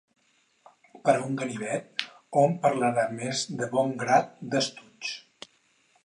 Per a un ganivet, hom parlarà més de bon grat d'estoig.